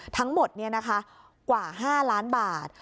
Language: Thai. ทั้งหมดกว่า๕ล้านบาท